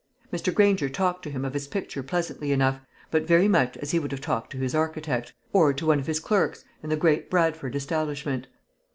Mr. Granger talked to him of his picture pleasantly enough, but very much as he would have talked to his architect, or to one of his clerks in the great Bradford establishment.